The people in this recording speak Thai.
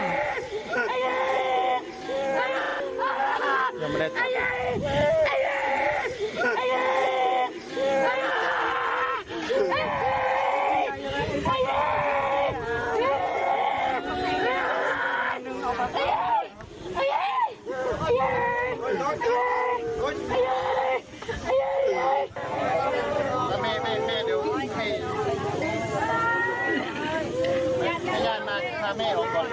เอาหมายไปแม่เดี๋ยวว่าแม่ญาติถัดข้าแม่ของก่อนนะ